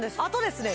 あとですね